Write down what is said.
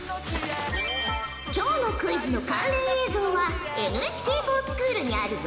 今日のクイズの関連映像はＮＨＫｆｏｒＳｃｈｏｏｌにあるぞ。